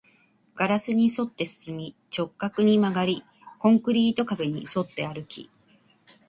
ガラスに沿って進み、直角に曲がり、コンクリート壁に沿って歩き